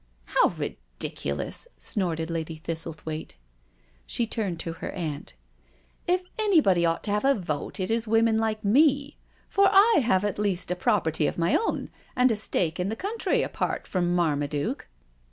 '^ How ridiculous I " snorted Lady Thistlethwaite. She turned to her aunt. " If anybody ought to have a vote it is women like mentor I have at least a pro perty of my own and a stake in the country apart from Marmaduke.